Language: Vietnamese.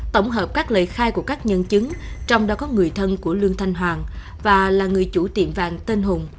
tổng hợp các lời khai của các nhân chứng trong đó có người thân của lương thanh hoàng và là người chủ tiệm vàng tên hùng